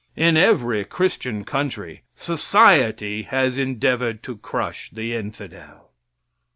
In every Christian country society has endeavored to crush the infidel.